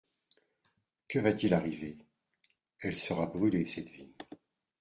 Que va-t-il arriver ? «Elle sera brûlée, cette vigne.